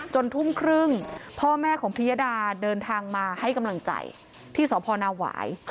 ทุ่มครึ่งพ่อแม่ของพิยดาเดินทางมาให้กำลังใจที่สพนาหวาย